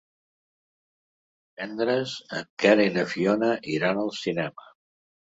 Divendres en Quer i na Fiona iran al cinema.